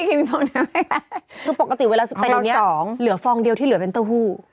ก็ปกติเวลาเกี่ยวกันเหลือฟองเดียวที่เหลือเป็นเต้าหู้